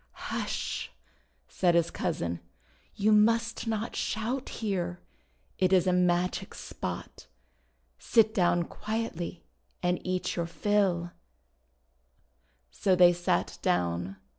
"Hush!' said his cousin. 'You must not shout here! It is a magic spot. Sit down quietly and eat your fill.' 99 170 THE WONDER GARDEN So they sat down.